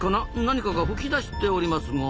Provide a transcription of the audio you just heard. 何かが噴き出しておりますが？